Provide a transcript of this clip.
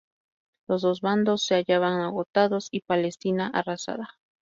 Los dos bandos se hallaban agotados y Palestina, arrasada.